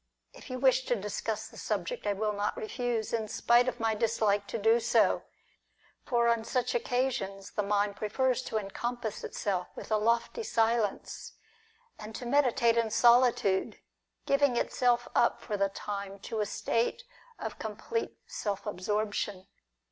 If you wish to discuss the subject, I will not refuse, in spite of my dislike to do so ; for on such occasions the mind prefers to encompass itself with a lofty silence, and to meditate in solitude, giving itself up for the time to a state of complete self absorption.